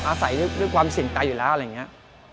อาศัยด้วยความเสี่ยงใจอยู่แล้วอะไรอย่างนี้